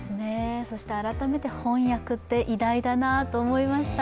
そして改めて翻訳って偉大だなと思いました。